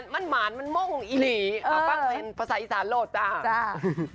มันหมานมันม่องอีหลีฟังเป็นภาษาอีสานโหลดจ้า